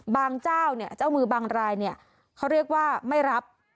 บางเจ้าเจ้ามือบางรายเขาเรียกว่าไม่รับ